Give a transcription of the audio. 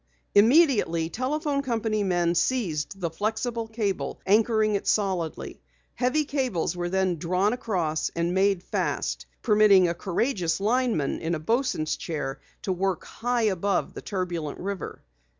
Immediately telephone company men seized the flexible cable, anchoring it solidly. Heavy cables then were drawn across and made fast, permitting a courageous lineman in a bosun's chair to work high above the turbulent river.